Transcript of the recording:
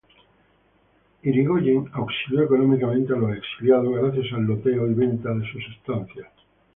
Yrigoyen auxilió económicamente a los exiliados gracias al loteo y venta de sus estancias.